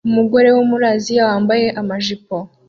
Umugore wo muri Aziya wambaye amajipo